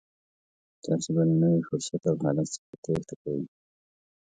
تاسې به له نوي فرصت او حالت څخه تېښته کوئ.